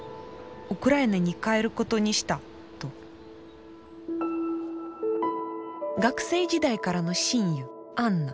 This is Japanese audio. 「ウクライナに帰ることにした」と学生時代からの親友アンナ。